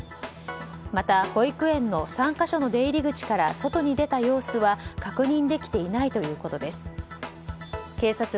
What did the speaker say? また、保育園の３か所の出入り口から外に出た様子は確認できていないということです。